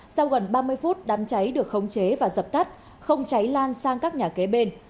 sau gần ba mươi phút đám cháy được khống chế và dập tắt không cháy lan sang các nhà kế bên